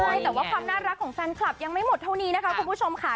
ใช่แต่ว่าความน่ารักของแฟนคลับยังไม่หมดเท่านี้นะคะคุณผู้ชมค่ะ